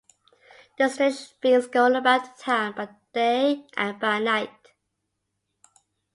The strange beings go about the town by day and by night.